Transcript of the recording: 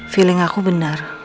feeling aku benar